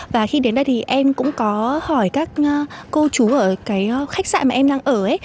và khi đến đây thì em cũng có hỏi các cô chú ở cái khách sạn mà em đang ở